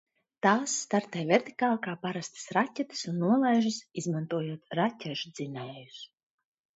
Tās startē vertikāli kā parastas raķetes un nolaižas, izmantojot raķešdzinējus.